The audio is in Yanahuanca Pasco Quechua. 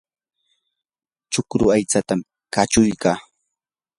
chukru aytsata kachuykaa.